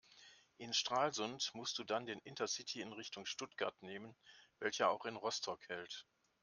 In Stralsund musst du dann den Intercity in Richtung Stuttgart nehmen, welcher auch in Rostock hält.